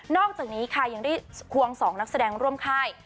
อกจากนี้ค่ะยังได้ควง๒นักแสดงร่วมค่าย